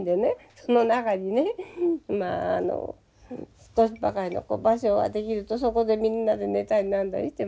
その中にねまあ少しばかりの場所が出来るとそこでみんなで寝たりなんだりしてましてね。